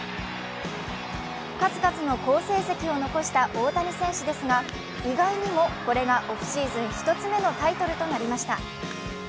数々の好成績を残した大谷選手ですが意外にもこれがオフシーズン１つ目のタイトルとなりました。